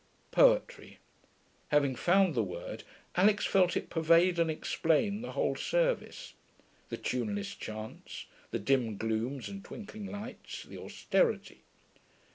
Poetry: having found the word, Alix felt it pervade and explain the whole service the tuneless chants, the dim glooms and twinkling lights, the austerity.